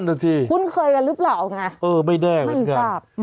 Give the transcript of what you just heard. นั่นน่ะสิคุ้นเคยกันหรือเปล่าไงไม่ทราบ